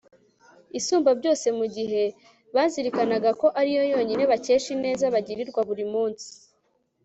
Isumbabyose mu gihe bazirikanaga ko ari Yo yonyine bakesha ineza bagirirwa buri munsi